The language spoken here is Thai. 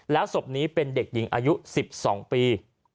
แล้วศพนี้เป็นเด็กหญิงอายุ๑๒ปี